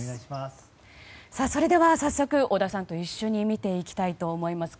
それでは早速、織田さんと一緒に見ていきたいと思います。